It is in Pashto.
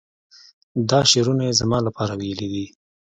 دا شعرونه یې زما لپاره ویلي دي.